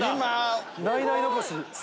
ナイナイ残し。